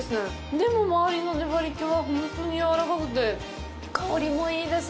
でも、周りの粘りけは本当にやわらかくて、香りもいいです。